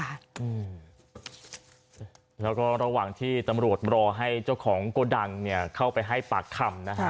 แล้วก็ระหว่างที่ตำรวจรอให้เจ้าของโกดังเนี่ยเข้าไปให้ปากคำนะฮะ